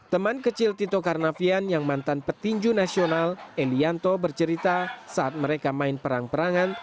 teman kecil tito karnavian yang mantan petinju nasional elianto bercerita saat mereka main perang perangan